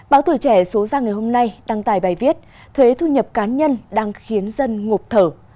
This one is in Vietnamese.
báo tuổi trẻ số ra ngày hôm nay đăng tài bài viết thuế thu nhập cá nhân đang khiến dân ngộp thở